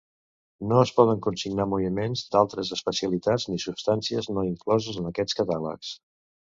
No es poden consignar moviments d'altres especialitats ni substàncies no incloses en aquests catàlegs.